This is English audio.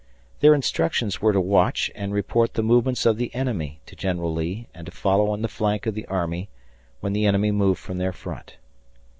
Their instructions were to watch and report the movements of the enemy to General Lee and to follow on the flank of the army when the enemy moved from their front.